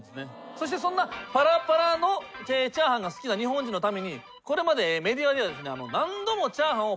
そしてそんなパラパラのチャーハンが好きな日本人のためにこれまでメディアでは。